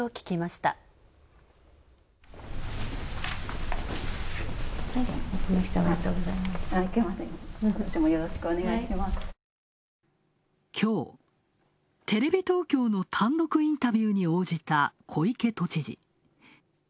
きょう、テレビ東京の単独インタビューに応じた小池都知事。